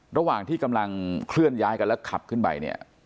ระหว่างที่กำลังเคลื่อนย้ายกันแล้วขับขึ้นไปเนี่ย